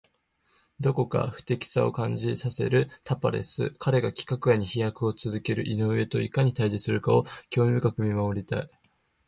どこか不敵さを感じさせるタパレス。彼が規格外に飛躍を続ける井上といかに対峙するかを興味深く見守りたい。